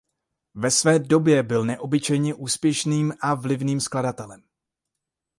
Ve své době byl neobyčejně úspěšným a vlivným skladatelem.